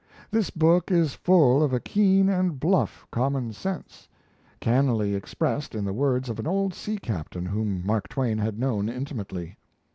This book is full of a keen and bluff common sense, cannily expressed in the words of an old sea captain whom Mark Twain had known intimately.